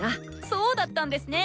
そうだったんですね。